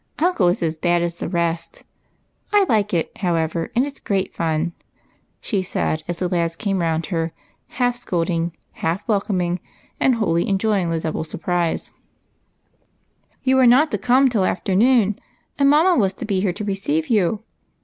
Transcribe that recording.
Uncle is as bad as the rest, and it 's great fun," she said, as the lads came round her, half scold ing, half welcoming, and wholly enjoying the double surprise. " You were not to come till afternoon, and mamma was to be here to receive you.